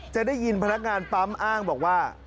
จะได้ยินพนักงานปั๊มอ้างบอกว่า